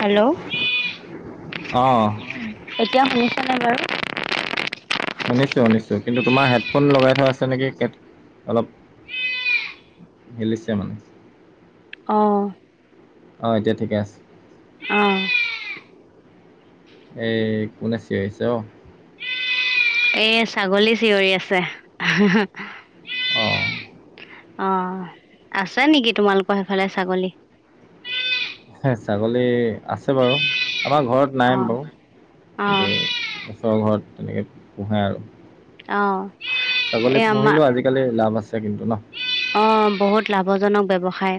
Hello! অঁ এতিয়া শুনিছে নে নাই বাৰু? শুনিছোঁ, শুনিছোঁ। কিন্তু তোমাৰ হেডফোন লগাই থোৱা আছে নেকি অলপ [inaudible] অ'। অ', এতিয়া ঠিকে আছে। অ'। এই কোনে চিঞৰিছে অ'! এ, ছাগলী চিঞৰি আছে [unintelligible] অ', অ'। অ', আছে নেকি তোমালোকৰ সেইফালে ছাগলী? ছে ছাগলী আছে বাৰু, আমাৰ ঘৰত অ নাই বাৰু অ কিন্তু ওচৰৰ ঘৰত তেনেকে পোহে আৰু। অ'। ছাগলী এই আমাৰ পুহিলেও আজিকালি লাভ আছে কিন্তু ন! অ', বহুত লাভজনক ব্যৱসায়।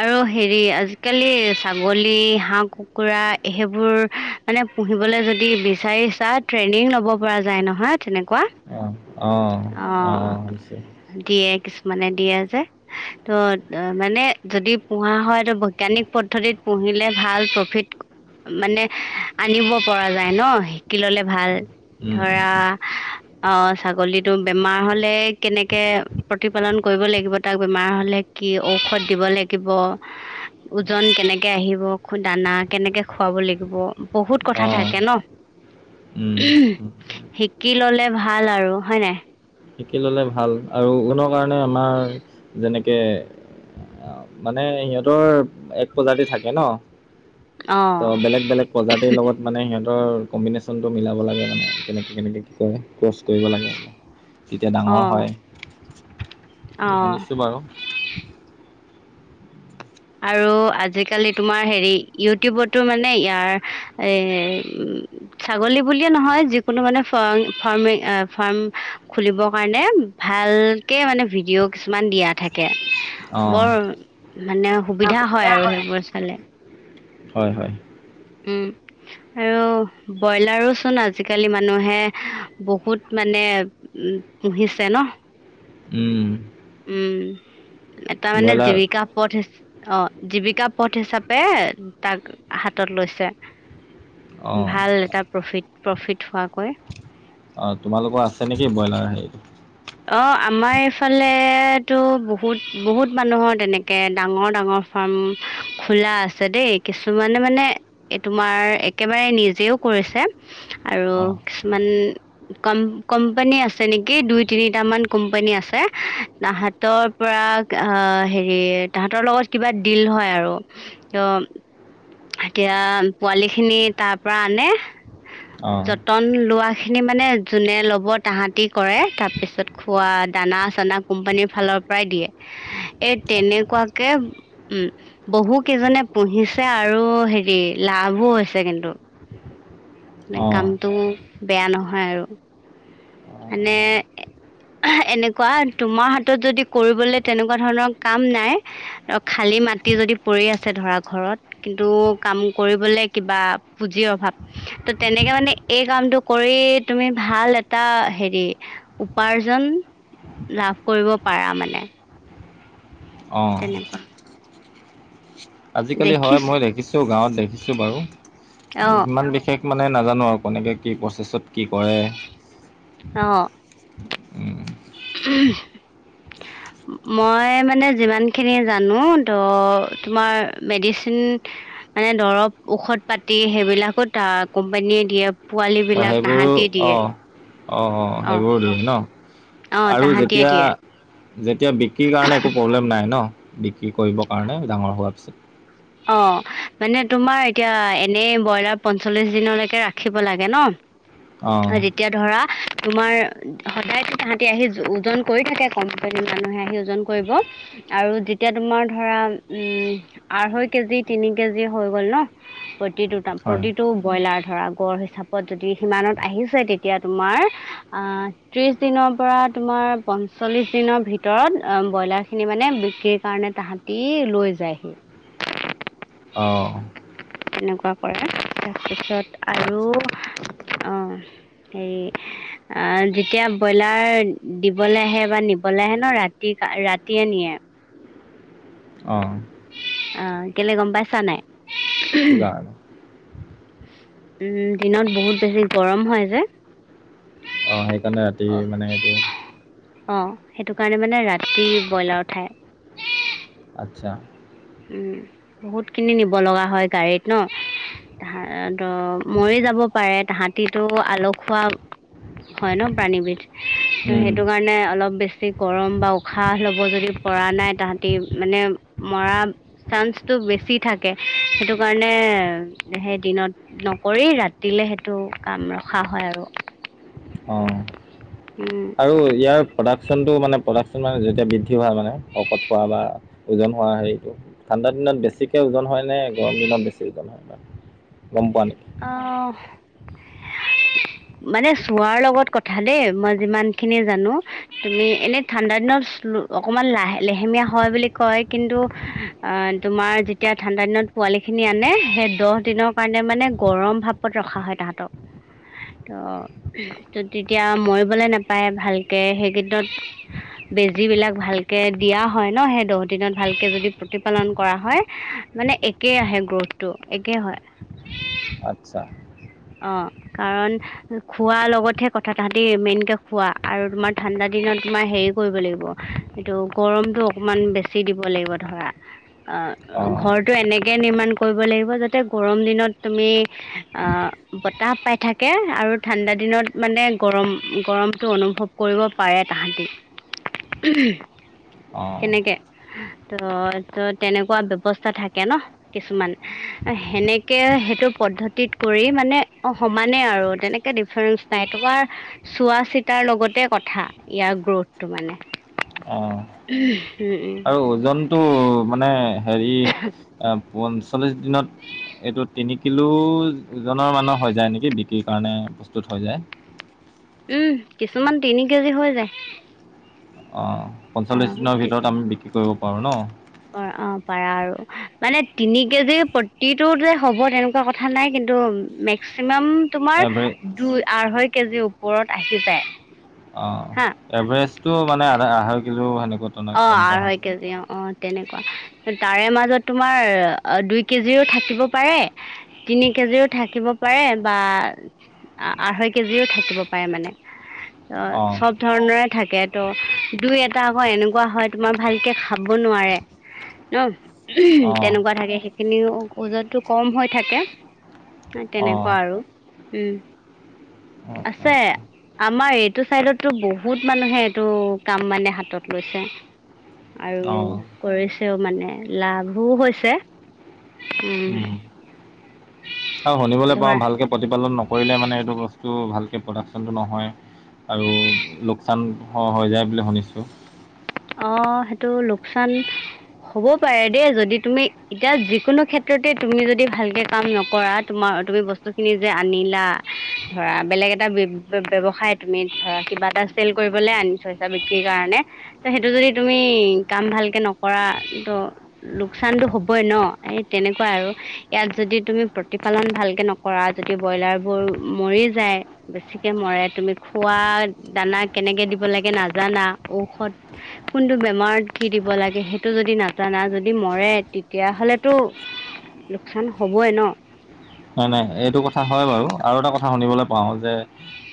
আৰু হেৰি আজিকালি ছাগলী, হাঁহ, কুকুৰা সেইবোৰ মানে পুহিবলৈ যদি বিচাৰিছা, ট্ৰেইনিং ল'ব পৰা যায় নহয় তেনেকুৱা। অ', অ', [unintelligible] [unintelligible] মানে দিয়া যে। ত' মানে যদি পোহা হয়, ত' বৈজ্ঞানিক পদ্ধতিত পুহিলে ভাল প্ৰফিট মানে আনিব পৰা যায় ন, শিকি ল'লে ভাল উম উম ধৰা উম, অ', ছাগলীতো বেমাৰ হ'লে কেনেকে প্ৰতিপালন কৰিব লাগিব, তাক বেমাৰ হ'লে কি ঔষধ দিব লাগিব ওজন কেনেকে আহিব, দানা কেনেকে খুৱাব লাগিব বহুত কথা অঁ থাকে ন! উম উম। শি কি ল'লে ভাল আৰু হয় নাই? শিকি ল'লে ভাল আৰু [unintelligible] কাৰণে আমাৰ যেনেকে অ', মানে সিহঁতৰ এক প্ৰজাতি থাকে ন! অ ত' বেলেগ, বেলেগ প্ৰজাতিৰ লগত মানে সিহঁতৰ কম্বিনেশ্যনটো মিলাব লাগে মানে, কেনে- কেনেকৈ কি কৰে, ক্ৰছ কৰিব লাগে মানে। তেতিয়া অ ডাঙৰ হয়, অ শুনিছোঁ বাৰু। আৰু আজিকালি তোমাৰ হেৰি ইউটিউবতো মানে ইয়াৰ এই উ ছাগলী বুলিয়ে নহয় যিকোনো মানে ফ-ফাৰ্মি, ফাৰ্ম খুলিবৰ কাৰণে ভালকে মানে ভিডিঅ' কিছুমান দিয়া থাকে। অঁ বৰ মানে সুবিধা হয়, আৰু সেইবোৰ চালে। হয়, হয়। উম। আৰু ব্ৰইলাৰোচোন আজিকালি মানুহে বহুত মানে উম, পুহিছে ন! উম। উম, এটা মানে ব্ৰইলাৰ জীৱিকা পথ হিচা অ', জীৱিকা পথ হিচাপে তাক হাতত লৈছে। অঁ ভাল এটা প্ৰফিট, প্ৰফিট হোৱাকৈ। অ', তোমালোকৰ আছে নেকি ব্ৰইলাৰ হেৰি? অ', আমাৰ এইফালেটো বহুত, বহুত মানুহৰ তেনেকে ডাঙৰ, ডাঙৰ ফাৰ্ম খোলা আছে দেই কিছুমানে মানে এই তোমাৰ একেবাৰে নিজেও কৰিছে। আৰু অঁ কিছুমান কম কোম্পানী আছে নেকি দুই তিনিটামান কোম্পানী আছে তাহতৰ পৰা হেৰি তাহাঁতৰ লগত কিবা দিল হয় আৰু ত', এতিয়া পোৱালি খিনি তাৰ পৰা আনে, অ, কটন লোৱাখিনি মানে যোনে ল'ব তাহাঁতি কৰে। তাৰপিছত খোৱা দানা চানা কোম্পানীৰ ফালৰ পৰাই দিয়ে এই আচ্ছা তেনেকুৱা কে, উম, বহু কেইজনে পুহিছে আৰু হেৰি লাভো হৈছে কিন্তু। মানে অঁ কামটো বেয়া নহয় আৰু। এনে এনেকুৱা তোমাৰ হাতত যদি কৰিবলৈ তেনেকুৱা ধৰণৰ কাম নাই। খালী মাটি যদি পৰি আছে ধৰা ঘৰত। কিন্তু কাম কৰিবলে কিবা পুঁজিৰ অভাৱ। ত তেনেকে মানে এই কামটো কৰি তুমি ভাল এটা হেৰি উপাৰ্জন লাভ কৰিব পাৰা মানে। অঁ তেনেকুৱা। আজিকালি হয় দেখিছ মই দেখিছোঁ গাঁৱত দেখিছোঁ বাৰু অঁ ইমান বিশেষ মানে নাজানো আৰু কেনেকে কি প্ৰচেছত কি কৰে, আহ, উম, মই মানে যিমানখিনি জানো তো তোমাৰ মেডিচিন মানে দৰৱ ঔষধ পাতি সেইবিলাকো ত কোম্পানীয়ে দিয়ে। পোৱালী অ বিলাক সেইবোৰো তাহাঁতি অ দিয়ে। অ, অ সেইবোৰ দিয় ন? অ আৰু তাহাঁতিয়ে যেতিয়া দিয়ে যেতিয়া বি কি কাৰণে একো প্ৰব্লেম নাই ন বিক্ৰী কৰিবৰ কাৰণে ডাঙৰ হোৱাৰ পিছত? অ, মানে তোমাৰ এতিয়া এনে ব্ৰইলাৰ পঞ্চল্লিশ দিনলৈকে ৰাখিব লাগে ন, অ, তেতিয়া ধৰা তোমাৰ সদায়ো তাহাঁতি আহি ওজন কৰি থাকে কম্পিতাৰি মানুহে আহি ওজন কৰিব, আৰু যেতিয়া তোমাৰ ধৰা উম, আঢ়ৈ কেজি তিনি কেজি হৈ গ'ল ন প্ৰতিটো হয় প্ৰতিটো ব্ৰইলাৰ, ধৰা গড় হিচাপত যদি সিমানত আহিছে তেতিয়া তোমাৰ, আহ ত্ৰিছ দিনৰ পৰা তোমাৰ পঞ্চল্লিছ দিনৰ ভিতৰত ব্ৰইলাৰখিনি মানে বিক্ৰীৰ কাৰণে তাহাঁত তি লৈ যায়হি। অ, তেনেকুৱা কৰে তাৰপিছত আৰু আচ্ছা আহ, হেৰি আহ, যেতিয়া ব্ৰইলাৰ দিবলৈ আহে বা নিবলৈ আহে ন ৰাতি-ৰাতিয়ে নিয়ে। অ, অ, কেলে গম পাইছা নাই? কি কাৰণে? দিনত বহুত বেছি গৰম হয় যে, অ, সেইকাৰণে ৰাতি মানে এইটো অ, সেইটো কাৰণে মানে ৰাতি ব্ৰইলাৰ উঠায়। আচ্ছা। উম, বহুত খিনি নিব লগা হয় গাড়ীত ন। তাহাঁতৰ মৰি যাব পাৰে তাহাঁতিতো আলখুৱা হয় ন প্ৰাণীবিধ ত উম সেইটো কাৰণে অলপ বেছি গৰম বা উশাহ ল'ব যদি পৰা নাই তাহাঁতি মানে মৰা চান্সটো বেছি থাকে। সেইটো কাৰণে সেই দিনত নকৰি ৰাতিলে সেইটো কাম ৰখা হয় আৰু। অ উম। আৰু ইয়াৰ প্ৰডাকশ্যনটো মানে প্ৰডাকশ্যনৰ মানে যেতিয়া বৃদ্ধি হোৱা মানে শকত হোৱা বা ওজন হোৱা হেৰিটো ঠাণ্ডা দিনত বেছিকে ওজন হয় নে গৰম দিনত বেছি ওজন হয়? গম পোৱা নে? অহ [unintelligible] মানে চোৱাৰ লগত কথা দেই মই যিমানখিনি জানো তুমি এনে ঠাণ্ডা দিনত অকমান লাহ লেহেমীয়া হয় বুলি কয়। কিন্তু আ তোমাৰ যেতিয়া ঠাণ্ডা দিনত পোৱালিখিনি আনে সেই দহ দিনৰ কাৰণে মানে গৰম ভাপত ৰখা হয় তাহাঁতক। ত' ত' তেতিয়া মৰিবলে নাপায় ভালকে সেই কেই দিনত বেজীবিলাক ভালকে দিয়া হয় ন সেই দহ দিনত ভালকে যদি প্ৰতিপালন কৰা হয়। মানে একেই আহে গ্ৰোথটো একে হয়। আচ্ছা। অ', কাৰণ খোৱা লগতহে কথা তাহাতি মেইনকে খোৱা আৰু তোমাৰ ঠাণ্ডা দিনত তোমাৰ হেৰি কৰিব লাগিব। এইটো গৰমটো অকমান বেছি দিব লাগিব ধৰা। অ', অঁ ঘৰটো এনেকে নিৰ্মণ কৰিব লাগিব যাতে গৰম দিনত তুমি আ বতাহ পাই থাকে আৰু ঠাণ্ডা দিনত মানে গৰম গৰমটো অনুভৱ কৰিব পাৰে তাহাঁতি। অ'। তেনেকে ত' ত' তেনেকুৱা ব্যৱস্থা থাকে ন। কিছুমান সেনেকে সেইটো পদ্ধতিত কৰি মানে অ' সমানে আৰু তেনেকে ডিফাৰেন্ঞ্চ নাই। তোমাৰ চোৱা চিতাৰ লগতে কথা ইয়াৰ গ্ৰৌথটো মানে। অ'। উম, উম। আৰু ওজনটো মানে হেৰি আহ পঞ্চল্লিশ দিনত এইটো তিনিকিলো ওজনৰ মানৰ হৈ যায় নেকি বিক্ৰীৰ কাৰণে প্ৰস্তুত হৈ যায়। উম, কিছুমান তিনি কেজি হৈ যায়। অ', পঞ্চল্লিছ দিনৰ ভিতৰত আমি বিক্ৰী কৰিব পাৰো ন। অ', অ', পাৰা আৰু। মানে তিনি কেজি প্ৰতিটো যে হ'ব তেনেকুৱা কথা নাই। কিন্তু মেক্সিমাম তোমাৰ এভাৰেজ দুই আঢ়ৈ কেজিৰ ওপৰত আহি যায়। অ', হা এভাৰেজটো মানে আধ আঢ়ৈ কিলো সেনেকুৱা তেনে- অ', তেনেকুৱা হয় আঢ়ৈ কেজি অ' অ'। তেনেকুৱা তাৰে মাজত তোমাৰ দুই কেজি থাকিব পাৰে। তিনি কেজিও থাকিব পাৰে বা আঢ়ৈ কেজিও থাকিব পাৰে মানে। অ', চব ধৰণৰে থাকে ত' দুই এটা আকৌ এনেকুৱা হয়, তোমাৰ ভালকে খাব নোৱাৰে ন তেনেকুৱা থাকে খিনি ওজাৰটো কম হৈ থাকে। তেনেকুৱা আৰু উম। অ', অ', আছে অ'। আমাৰ এইটো চাইডততো বহুত মানুহে এইটো কাম মানে হাতত লৈছে। আৰু অ, কৰিছেও মানে লাভো হৈছে। উম। আৰু শুনিবলৈ পাওঁ ধৰ ভালকে প্ৰতিপালন নকৰিলে মানে এইটো বস্তু ভালকে প্ৰডাকশ্যনটো নহয়। আৰু লোকচান হৈ যায় বুলি শুনিছোঁ। অ', সেইটো লোকচান হ'ব পাৰে দেই যদি তুমি এতিয়া যিকোনো ক্ষেত্ৰতে তুমি যদি ভালকে কাম নকৰা। তোমাৰ তুমি বস্তুখিনি যে আনিলা ধৰা বেলেগ এটা ব্যৱসায় তুমি ধৰা কিবা এটা চেল কৰিবলে আনি চইচা বিক্ৰীৰ কাৰণে ত সেইটো যদি তুমি কাম ভালকে নকৰা তো লোকচানতো হবই ন এই তেনেকুৱা আৰু ইয়াত যদি তুমি প্ৰতিপালন ভালকে নক কৰা যদি ব্ৰইলাৰ বোৰ মৰি যায় বেছিকে মৰে তুমি খোৱা দানা কেনেকে দিব লাগে নাজানা ঔষধ কোনটো বেমাৰত কি দিব লাগে সেইটো যদি নাজানা যদি মৰে তেতিয়াাহলেতো লোকচান হ'বই ন নাই নাই এইটো কথা হয় বাৰু আৰু এটা কথা শুনিবলৈ পাওঁ যে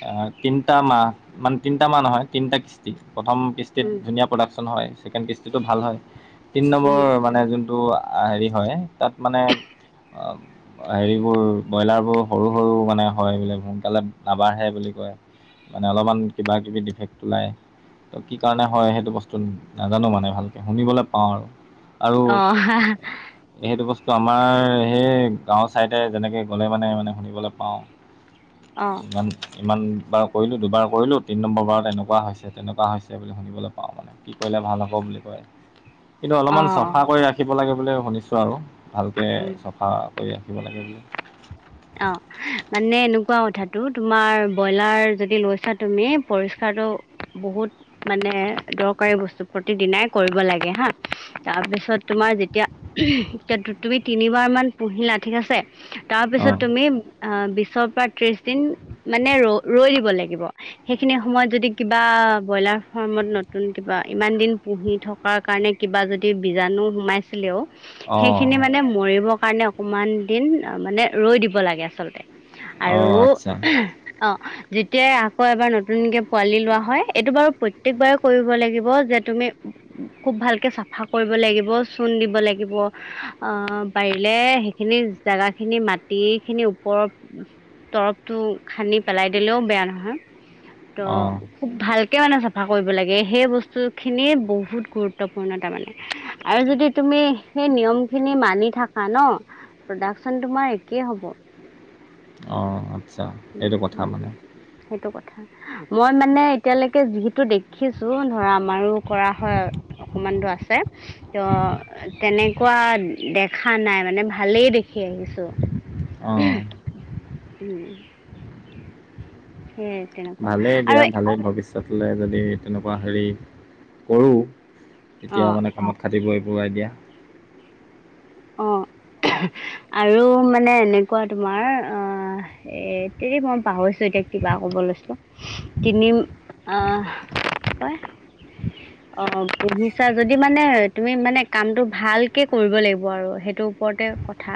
অ তিনিটা মাহ মানে তিনিটা মাহ নহয় তিনিটা কিস্তি প্ৰথম কিসি কিস্তিত উম ধুনীয়া প্ৰডাকশ্যন হয় ছেকেণ্ড কিস্তিটো ভাল হয় তিনি উম নম্বৰৰ মানে যোনটো হেৰি হয় তাত মানে হেৰিবোৰ ব্ৰইলাৰ বোৰ সৰু সৰু মানে হয় বোলে সোনকালে নাবাঢ়ে বুলি কয় মানে অলপমান কিবা কিবি ডিফেক্ট ওলায় ত কি কাৰণে হয় সেইটো বস্তু নাজানো মানে ভালকে শুনিবলৈ পাওঁ আৰু আৰু অ সেইটো বস্তু আমাৰ সেই গাঁওৰ চাইড যেনেকে গ'লে মানে মানে শুনিবলৈ পাওঁ অ ইমানমান ইমান বাৰ কৰিলোঁ দুবাৰ কৰিলোঁ তিনি নম্বৰ বাৰত এনেকুৱা হৈছে তেনেকুৱা হৈছে বুলি শুনিবলৈ পাওঁ মানে কি কৰিলে ভাল হ'ব বুলি কয় উ কিন্তু অলপমান চফা কৰি ৰাখিব লাগে বুলি শুনিছো আৰু ভালকে উম চফা কৰি ৰাখিব লাগে বুলি অ মানে এনেকুৱা কথাটো তোমাৰ ব্ৰইলাৰ যদি লৈছা তুমি পৰিষ্কাৰটো বহুত মানে দৰকাৰী বস্তু প্ৰতি দিনাই কৰিব লাগে হা তাৰপিছত তোমাৰ যেতিয়া তুমি তিনিবাৰ মান পুহিলা ঠিক আছে তাৰ পিছত অঁ আমি অ বিশৰ পৰা ত্ৰিশ দিন মানে ৰ ৰৈ দিব লাগিব সেইখিনি সময়ত যদি কিবা ব্ৰইলাৰ ফাৰ্মত নতুন কিবা ইমান দিন পুহি থক থকাৰ কাৰণে কিবা যদি বীজাণু সোমাইছিলেও অঁ সেইখিনি মানে মৰিব কাৰণে অকমান দিন মানে ৰৈ দিব লাগে আচলতে অঁ আৰু আচ্ছা অ যেতিয়াই আকৌ এবাৰ নতুনকে পোৱালি লোৱা হয় এইটো বাৰু প্ৰত্যেকবাৰে কৰিব লাগিব যে তুমি খুব ভালকে চাফা কৰিব লাগিব চূণ দিব লাগিব অ পাৰিলে সেইখিনি জাগাখিনি মাত [unintelligible] খিনি ওপৰত তৰপটো খান্দি পেলাই দিলেও বেয়া নহয় ত অঁ খুব ভালকে মানে চাফা কৰিব লাগে সেই বস্তু খিনিয়ে বহুত গুৰুত্বপূৰ্ণ তাৰমানে আৰু যদি তুমি সেই নিয়মখিনি মানি থাকা ন প্ৰডাকচন তোমাৰ কি হ'ব অঁ আচ্ছা এইটো কথা মানে সেইটো কথা মই মানে এতিয়ালৈকে যিহেতু দেখিছোঁ ধৰা আমাৰো কৰা হয় অকমান দো আছে ত তেনেকুৱা দেখা নাই মানে ভালেই দেখি আহিছোঁ অঁ [unintelligible] উম উম ভালে দিয়া ভালে ভাবিছ লে যদি তেনেকুৱা হেৰি কৰোঁ তেতিয়া অ মানে কামত কাটিব এইবোৰ আই দিয়া অ আৰু মানে এনেকুৱা তোমাৰ অ এ তেৰি মই পাহৰিছোঁ এতিয়া কিবা ক'ব লৈছিলো। তিনিম অ' অ' পুহিছা যদি মানে তুমি মানে কামটো ভালকে কৰিব লাগিব। আৰু সেইটো ওপৰতে কথা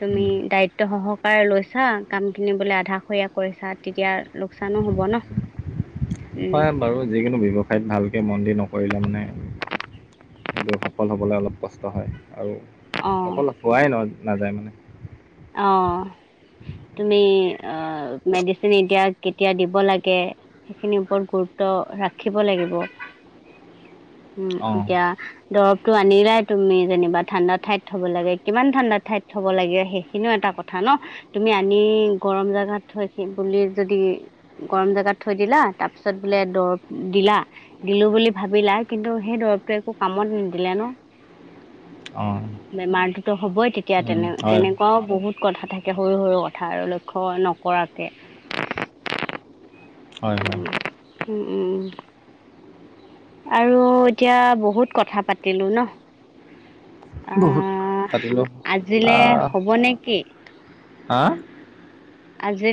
তুমি দায়িত্ব সহকাৰে লৈছা, কাম খিনিবোলে আধাশৰীয়া কৰিছা। তেতিয়া লোকচানো হ'ব ন। উম হয় বাৰু, যিকোনো ব্যৱসায়ত ভালকে মন দি নকৰিলে মানে সেইটো সফল হ'বলৈ অলপ কষ্ট হয় আৰু অ', সফল হোৱাই নাযায় মানে। অ'। তুমি অ' মেডিচিন এতিয়া কেতিয়া দিব লাগে সেইখিনিৰ ওপৰত গুৰুত্ব ৰাখিব লাগিব। উম অঁ এতিয়া দৰৱটো আনিলাই তুমি যেনিবা, ঠাণ্ডা ঠাইত থ'ব লাগে কিমান ঠাণ্ডা ঠাইত থ'ব লাগে সেই খিনিও এটা কথা ন, তুমি আনি গৰম জেগাত থৈ বুলি যদি গৰম জেগাত থৈ দিলা, তাৰ পিছত বোলে দৰৱ দিলা দিলোঁ বুলি ভাবিলা কিন্তু সেই দৰৱটোৱে একো কামত নিদিলে ন? অ'। বেমাৰটোতো হ'বই তেতি য়া তেনে তেনেকুৱাও বহুত কথা থাকে সৰু, সৰু কথা আৰু লক্ষ্য নকৰাকে। হয় হয় উম, উম, উম। আৰু এতিয়া বহুত কথা পাতিলোঁ ন। আ বহুত পাতিলোঁ আজিলে হ'ব নেকি? হাঁ। আজিল